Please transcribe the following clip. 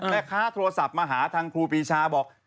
แม่ค้าโทรศัพท์มาหาทางครูปีชาบอก